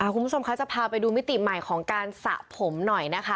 คุณผู้ชมคะจะพาไปดูมิติใหม่ของการสระผมหน่อยนะคะ